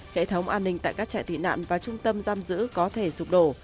hệ thống an ninh tại các trại tị nạn và trung tâm giam giữ có thể sụp đổ